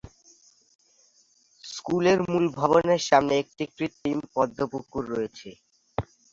স্কুলের মূল ভবনের সামনে একটি কৃত্রিম "পদ্ম পুকুর" রয়েছে।